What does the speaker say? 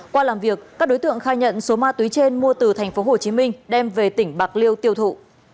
qua làm việc các đối tượng khai nhận số ma túy trên mua từ tp hcm đem về tỉnh bạc liêu tiêu thụ